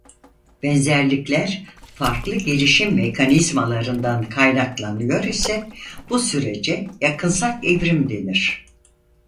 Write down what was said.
Benzerlikler farklı gelişim mekanizmalarından kaynaklanıyor ise bu sürece yakınsak evrim denir.